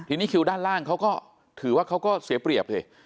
ทีนี้คิวด้านล่างเขาก็ถือว่าเขาก็เสียเปรียบสิ